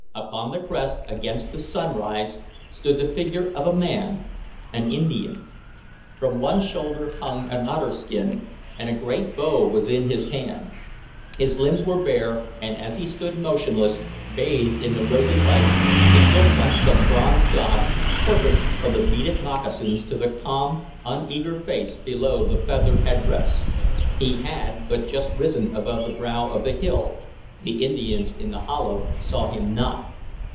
Upon the crest, against the sunrise, stood the figure of a man, an Indian. From one shoulder hung an otterskin, and a great bow was in his hand. His limbs were bare, and as he stood motionless, bathed in the rosy light, he looked like some bronze god, perfect from the beaded moccasins to the calm, uneager face below the feathered headdress. He had but just risen above the brow of the hill; the Indians in the hollow saw him not.